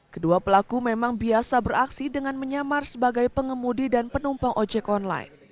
kedua pelaku memang biasa beraksi dengan menyamar sebagai pengemudi dan penumpang ojek online